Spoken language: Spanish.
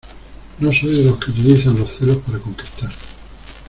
no soy de los que utilizan los celos para conquistar